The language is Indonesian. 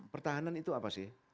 pertahanan itu apa sih